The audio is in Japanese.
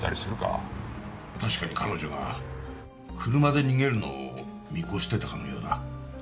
確かに彼女が車で逃げるのを見越してたかのようだ。